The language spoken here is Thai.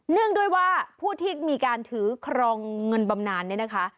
เนื่องด้วยว่าผู้ที่มีการถือครองเงินบำนานเนี่ยนะคะ